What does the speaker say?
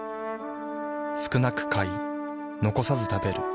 少なく買い残さず食べる。